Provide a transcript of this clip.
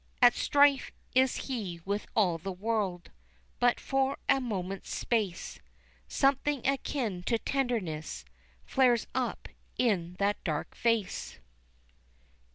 At strife is he with all the world, But for a moment's space, Something akin to tenderness Flares up in that dark face.